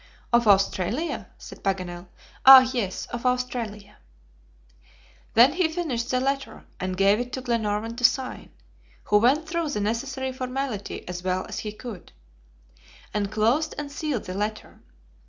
"Of Australia?" said Paganel. "Ah yes! of Australia." Then he finished the letter, and gave it to Glenarvan to sign, who went through the necessary formality as well as he could, and closed and sealed the letter.